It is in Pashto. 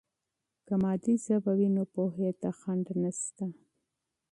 که مادي ژبه وي، نو پوهې ته خنډ نشته.